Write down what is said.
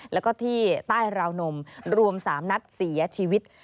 แล้วก็ที่ใต้ราวนมรวม๓นัดเสียชีวิต